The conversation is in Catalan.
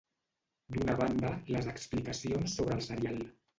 D'una banda, les explicacions sobre el serial.